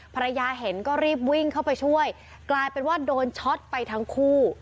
ภรรยาเห็นก็รีบวิ่งเข้าไปช่วยกลายเป็นว่าโดนช็อตไปทั้งคู่